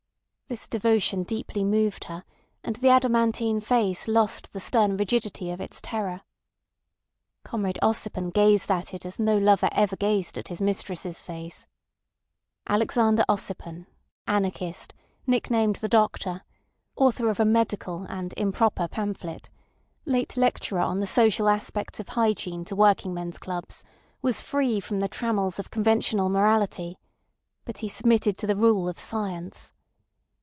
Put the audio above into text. This devotion deeply moved her—and the adamantine face lost the stern rigidity of its terror. Comrade Ossipon gazed at it as no lover ever gazed at his mistress's face. Alexander Ossipon, anarchist, nicknamed the Doctor, author of a medical (and improper) pamphlet, late lecturer on the social aspects of hygiene to working men's clubs, was free from the trammels of conventional morality—but he submitted to the rule of science.